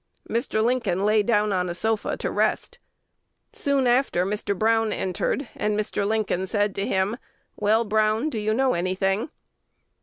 Mr. Lincoln lay down on a sofa to rest. Soon after, Mr. Brown entered; and Mr. Lincoln said to him, "Well, Brown, do you know any thing?"